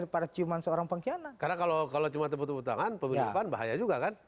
pertama tama pemilipan bahaya juga kan